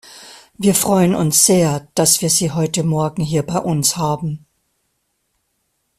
Wir freuen uns sehr, dass wir Sie heute morgen hier bei uns haben.